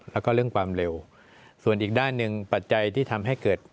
แล้วก็เรื่องความเร็วส่วนอีกด้านหนึ่งปัจจัยที่ทำให้เกิด